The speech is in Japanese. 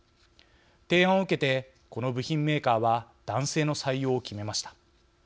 提案を受けてこの部品メーカーは男性の採用を決めました。